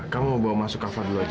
kamu bawa masuk kava dulu aja